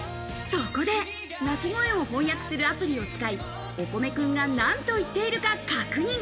そこで鳴き声を翻訳するアプリを使い、おこめくんが何と言っているか確認。